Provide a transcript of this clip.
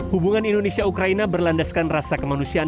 hubungan indonesia ukraina berlandaskan rasa kemanusiaan